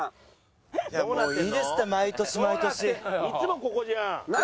いつもここじゃん。